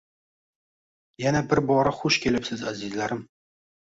Yana bir bora xush kelibsiz azizlarim!